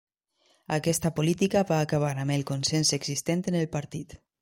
Aquesta política va acabar amb el consens existent en el partit.